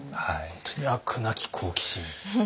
本当に飽くなき好奇心。